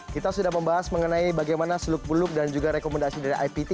kita sudah membahas mengenai bagaimana seluk beluk dan juga rekomendasi dari ipt